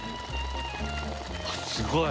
すごい。